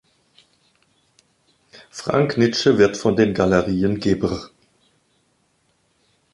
Frank Nitsche wird von den Galerien Gebr.